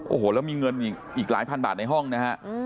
โอ้โหแล้วมีเงินอีกหลายพันบาทในห้องนะฮะ